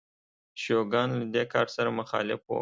شوګان له دې کار سره مخالف و.